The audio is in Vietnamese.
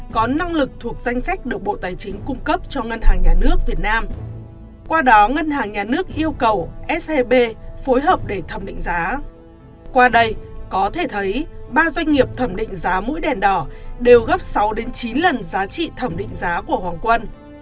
có thể thấy ba doanh nghiệp thẩm định giá mũi đèn đỏ đều gấp sáu chín lần giá trị thẩm định giá của hoàng quân